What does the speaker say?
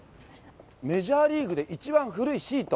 メジャーリーグで一番古いシート。